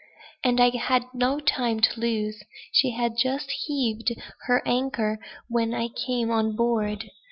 and I had no time to lose. She had just heaved her anchor when I came on board.